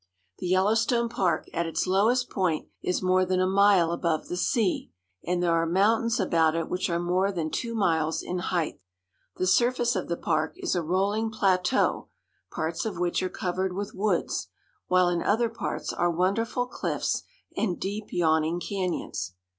The Yellowstone Park, at its lowest point, is more than a mile above the sea; and there are mountains about it which are more than two miles in height. The surface of the park is a rolling plateau, parts of which are covered with woods, while in other parts are wonderful clififs and deep, yawning canyons.